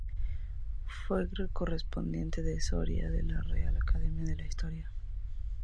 Fue correspondiente por Soria de la Real Academia de la Historia.